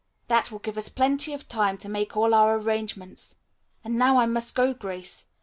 "That will give us plenty of time to make all our arrangements. And now I must go, Grace.